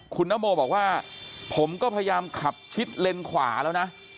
คุณนโมบอกว่าผมก็พยายามขับชิดเลนขวาแล้วนะ